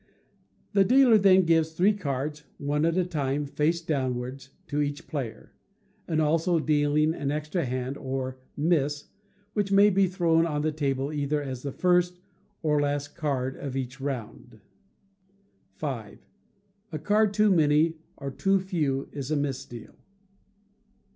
The dealer then gives three cards, one at a time, face downwards, to each player; and also dealing an extra hand, or "miss," which may be thrown on the table either as the first or last card of each round. v. A card too many or too few is a misdeal.